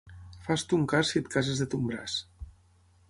Fas ton cas si et cases de ton braç.